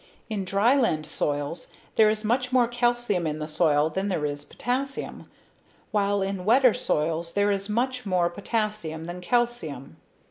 In dryland soils there is much more calcium in the soil than there is potassium while in wetter soils there is as much or more potassium than calcium.